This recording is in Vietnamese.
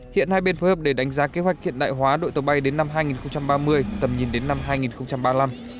hiện hai bên phối hợp để đánh giá kế hoạch hiện đại hóa đội tàu bay đến năm hai nghìn ba mươi tầm nhìn đến năm hai nghìn ba mươi năm